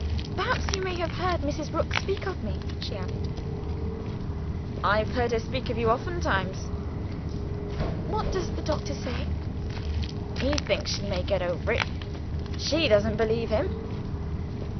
"Perhaps you may have heard Mrs. Rook speak of me," she added. "I've heard her speak of you oftentimes." "What does the doctor say?" "He thinks she may get over it. She doesn't believe him."